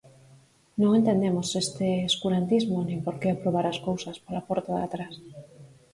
Non entendemos este escurantismo nin por que aprobar as cousas pola porta de atrás.